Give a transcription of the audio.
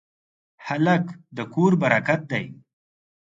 هلک د کور برکت دی.